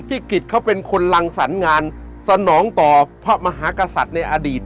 กิจเขาเป็นคนรังสรรงานสนองต่อพระมหากษัตริย์ในอดีต